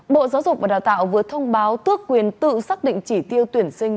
bộ giáo dục và đào tạo vừa thông báo tước quyền tự xác định chỉ tiêu tuyển sinh